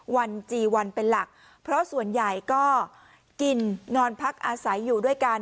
วันจีวันเป็นหลักเพราะส่วนใหญ่ก็กินนอนพักอาศัยอยู่ด้วยกัน